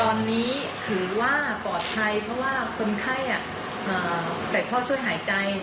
ตอนนี้ถือว่าปลอดภัยเพราะว่าคนไข้ใส่ท่อช่วยหายใจ